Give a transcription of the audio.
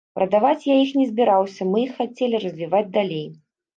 Прадаваць я іх не збіраўся, мы іх хацелі развіваць далей.